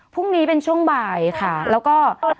พรุ่งนี้เป็นช่วงบ่ายค่ะแล้วก็